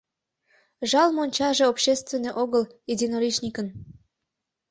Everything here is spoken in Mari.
Жал, мончаже общественный огыл, единоличникын...